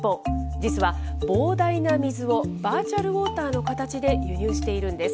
実は、膨大な水をバーチャルウォーターの形で輸入しているんです。